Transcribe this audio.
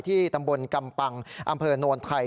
ตำบลกำปังอำเภอโนนไทย